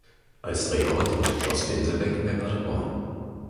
Als Drehort diente Schloss Vinsebeck bei Paderborn.